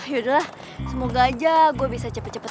yaudah semoga aja gue bisa cepet cepet